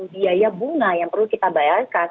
biaya bunga yang perlu kita bayarkan